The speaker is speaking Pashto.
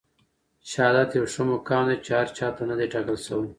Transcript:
شهادت يو ښه مقام دی چي هر چاته نه دی ټاکل سوی.